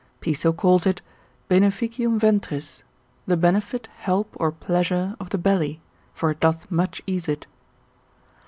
Piso calls it, Beneficium ventris, the benefit, help or pleasure of the belly, for it doth much ease it.